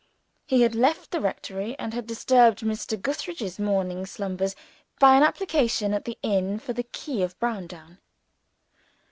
He had left the rectory and had disturbed Mr. Gootheridge's morning slumbers by an application at the inn for the key of Browndown.